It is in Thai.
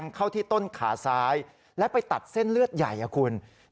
เข้าที่ต้นขาซ้ายและไปตัดเส้นเลือดใหญ่ครับคุณ